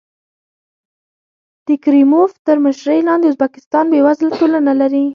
د کریموف تر مشرۍ لاندې ازبکستان بېوزله ټولنه لري.